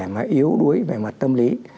mà yếu đuối về mặt tâm lý